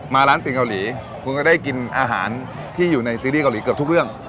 ร้านติ่งเกาหลีคุณก็ได้กินอาหารที่อยู่ในซีรีสเกาหลีเกือบทุกเรื่อง